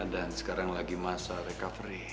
dan sekarang lagi masa recovery